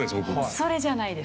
それじゃないです。